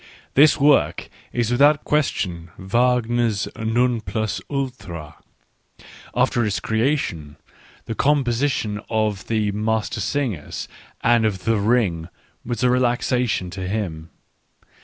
This work is without question Wagner's non plus ultra ; after its creation, the composition of the Mastersingers and of the Ring was a relaxation to him.